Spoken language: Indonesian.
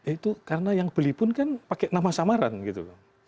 itu karena yang beli pun kan pakai nama samaran gitu loh